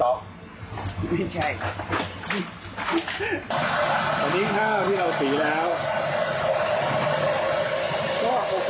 ไม่ขาวใช่มั้ยครับ